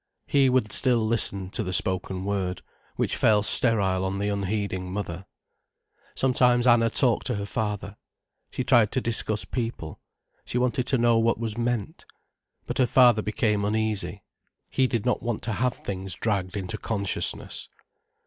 He would still listen to the spoken word, which fell sterile on the unheeding mother. Sometimes Anna talked to her father. She tried to discuss people, she wanted to know what was meant. But her father became uneasy. He did not want to have things dragged into consciousness.